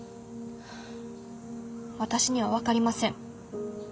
私には分かりません。